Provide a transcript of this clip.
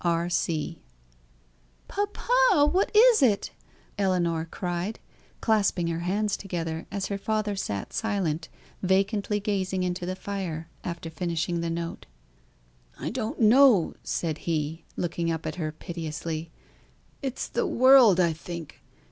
R. C." "Papa, what is it?" Ellinor cried, clasping her hands together, as her father sat silent, vacantly gazing into the fire, after finishing the note. "I don't know!" said he, looking up at her piteously; "it's the world, I think.